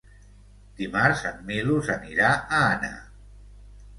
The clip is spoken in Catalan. Dimarts en Milos anirà a Anna.